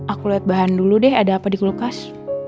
aku lihat bahan dulu deh ada apa di kulkas